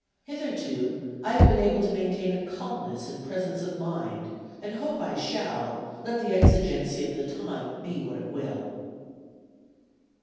Hitherto, I have been able to maintain a calmness and presence of mind, and hope I shall, let the exigency of the time be what it will.